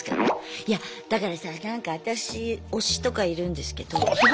いやだからさなんか私推しとかいるんですけど。